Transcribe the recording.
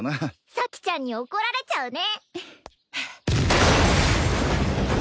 咲ちゃんに怒られちゃうね